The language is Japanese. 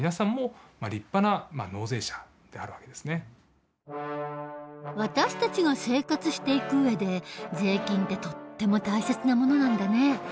中高生の皆さんは私たちが生活していく上で税金ってとっても大切なものなんだね。